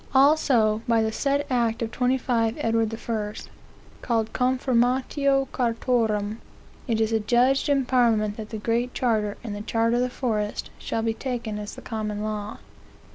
"Also, by the said act of 25 Edward I., (called Confirmatio Chartarum,) it is adjudged in parliament that the Great Charter and the Charter of the Forest shall be taken as the common law.